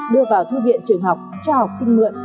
đưa vào thư viện trường học cho học sinh mượn